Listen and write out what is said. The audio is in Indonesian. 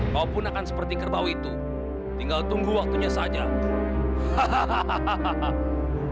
maupun akan seperti kerbau itu tinggal tunggu waktunya saja hahaha